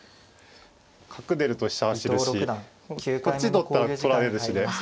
角出ると飛車走るしこっち取ったら取られるしで。